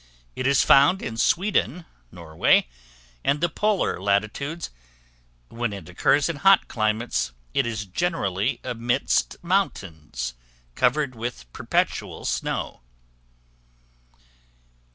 It is found in Sweden, Norway, and the polar latitudes: when it occurs in hot climates, it is generally amidst mountains, covered with perpetual snow.